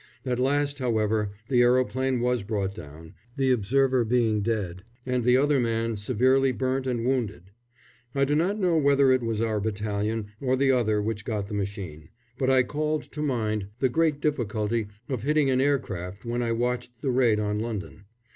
At last, however, the aeroplane was brought down, the observer being dead and the other man severely burnt and wounded. I do not know whether it was our battalion or the other which got the machine; but I called to mind the great difficulty of hitting an aircraft when I watched the raid on London.